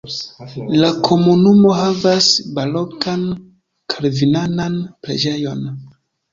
La komunumo havas barokan kalvinanan preĝejon.